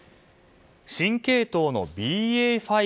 新系統のＢＡ．５。